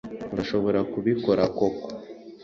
urashobora kubikora koko